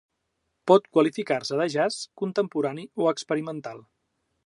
Pot qualificar-se de jazz contemporani o experimental.